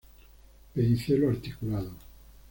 Pedicelo articulado.